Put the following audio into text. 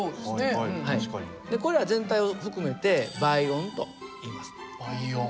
これら全体を含めて倍音といいます。